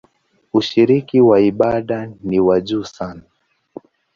Ushiriki wa ibada ni wa juu sana.